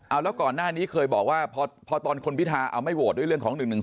เอาแล้วก่อนหน้านี้เคยบอกว่าพอตอนคุณพิทาเอาไม่โหวตด้วยเรื่องของ๑๑๒